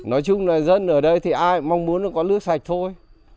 nói chung là dân ở đây thì ai cũng mong muốn có nước sạch thôi